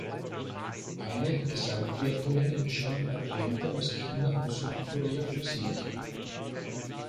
Alle Gesamtwertungen entschieden Athleten aus China und Südkorea für sich.